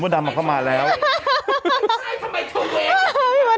ที่นู่น่ะทำจะนั่งหาไลน์เผาโทรศัพท์ให้นั่ง